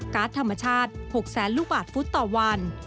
การ์ดธรรมชาติ๖๐๐ลูกวาทฟุตต่อวัน